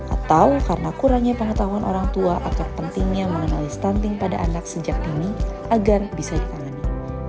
atau karena kurangnya pengetahuan orang tua atau pentingnya mengenali stunting pada anak sejak dini agar bisa ditangani